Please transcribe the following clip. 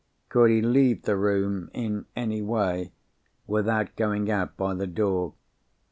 "Could he leave the room in any way, without going out by the door?"